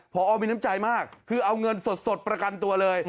พอมีน้ำใจมากคือเอาเงินสดประกันตัวเลย